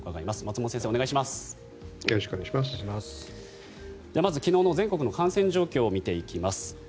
まず、昨日の全国の感染状況を見ていきます。